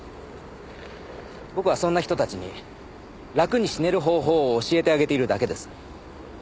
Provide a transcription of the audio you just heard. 僕はそんな人たちに楽に死ねる方法を教えてあげているだけです。